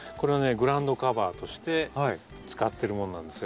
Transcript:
グラウンドカバーとして使ってるものなんですよ。